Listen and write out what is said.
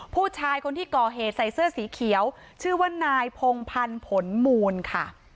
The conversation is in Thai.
ผู้ชายคนที่ก่อเหตุใส่เสื้อสีเขียวชื่อว่านายพงพันธ์ผลมูลค่ะ